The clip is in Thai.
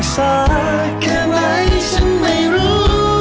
สาดแค่ไหนฉันไม่รู้